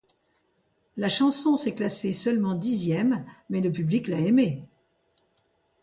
La chanson s'est classée seulement dixième, mais le public l'a aimée.